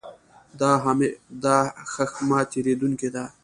دا هښمه تېرېدونکې ده.